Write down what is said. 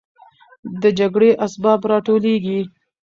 د جګړې اسباب راټولېږي.